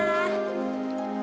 aku juga bisa berhubung dengan kamu